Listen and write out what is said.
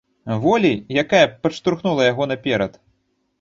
Волі, якая б падштурхнула яго наперад?